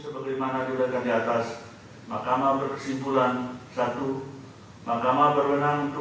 nomor lima puluh lima dari kpu